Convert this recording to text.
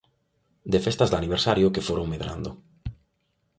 De festas de aniversario que foron medrando.